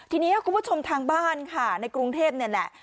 ทีนี้คุณผู้ชมทางบ้านในกรุงเทพ